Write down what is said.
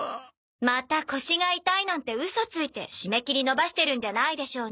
また腰が痛いなんてウソついて締め切り延ばしてるんじゃないでしょうね？